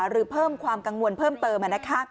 หรือเพิ่มความกังวลเพิ่มเติม